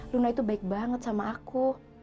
luna itu baik banget sama aku